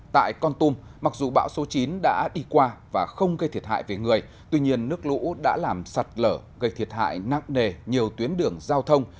tại con tum mặc dù bão số chín đã đi qua và không gây thiệt hại về người tuy nhiên nước lũ đã làm sạt lở gây thiệt hại nặng nề nhiều tuyến đường giao thông